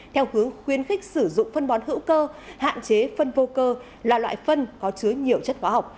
theo hướng khuyến khích sử dụng phân bón hữu cơ hạn chế phân vô cơ là loại phân có chứa nhiều chất hóa học